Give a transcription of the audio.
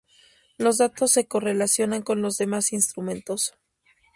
Los datos se correlacionan con los demás instrumentos.